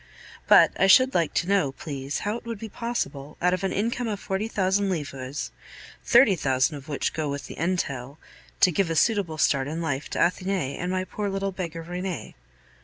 But I should like to know, please, how it would be possible out of an income of forty thousand livres, thirty thousand of which go with the entail, to give a suitable start in life to Athenais and my poor little beggar Rene.